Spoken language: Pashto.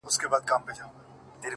• د حقوق پوهنځي ونه لوستله ,